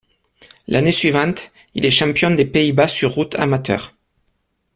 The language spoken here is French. L'année suivante, il est champion des Pays-Bas sur route amateurs.